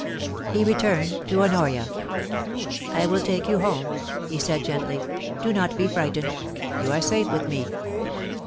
He returned to Honoria. *I will take you home,' he said gently. *Do not be frightened ! You are safe with me.'